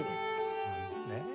そうなんですね。